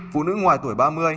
phụ nữ ngoài tuổi ba mươi